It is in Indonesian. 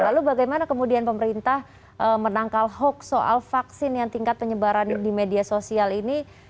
lalu bagaimana kemudian pemerintah menangkal hoax soal vaksin yang tingkat penyebaran di media sosial ini